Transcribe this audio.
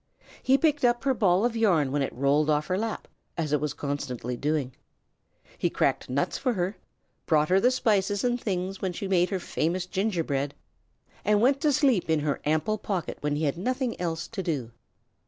He picked up her ball of yarn when it rolled off her lap, as it was constantly doing. He cracked nuts for her, brought her the spices and things when she made her famous gingerbread, and went to sleep in her ample pocket when he had nothing else to do.